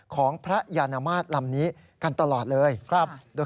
ของพระยานมาตรลำนี้กันตลอดเลยครับ